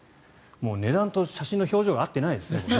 もう値段と写真の表情が合っていないですね。